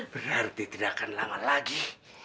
berarti tidak akan lama lagi